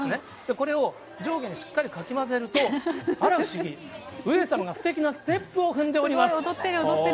これを上下にしっかりかき混ぜると、あら不思議、上様がすてきなステップを踏んでおります。